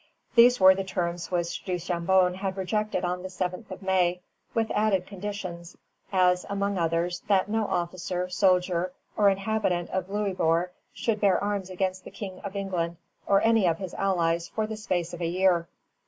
These were the terms which Duchambon had rejected on the 7th of May, with added conditions; as, among others, that no officer, soldier, or inhabitant of Louisbourg should bear arms against the King of England or any of his allies for the space of a year.